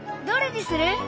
どれにする？